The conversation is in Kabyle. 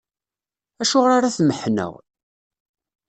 Acuɣer ara tmeḥḥneɣ?